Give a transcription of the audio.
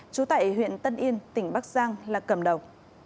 trú tại huyện tân yên tỉnh bắc giang là cầm đầu